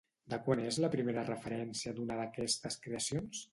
De quan és la primera referència d'una d'aquestes creacions?